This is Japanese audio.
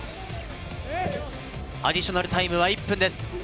アディショナルタイムは１分です。